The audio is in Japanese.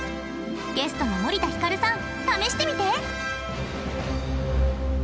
ゲストの森田ひかるさん試してみて！